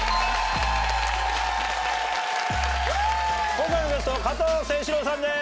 今回のゲスト加藤清史郎さんです！